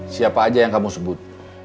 siapa aja yang kamu sebut